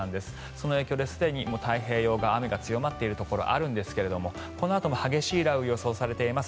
その影響ですでに太平洋側雨が強まっているところあるんですがこのあとも激しい雷雨が予想されています。